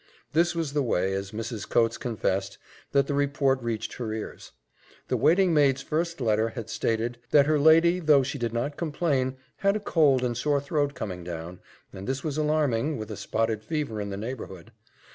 This was the way, as Mrs. Coates confessed, that the report reached her ears. The waiting maid's first letter had stated "that her lady, though she did not complain, had a cold and sore throat coming down, and this was alarming, with a spotted fever in the neighbourhood."